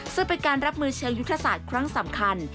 ซึ่งเป็นการรับมือเชิงยุทธศาสตร์ครั้งสำคัญ